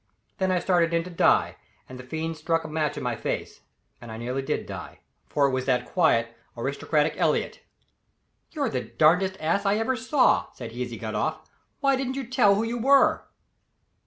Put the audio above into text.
Then I started in to die; and the fiend struck a match in my face, and I nearly did die. For it was that quiet, aristocratic Elliott. "You're the darndest ass I ever saw," said he as he got off; "why didn't you tell who you were?"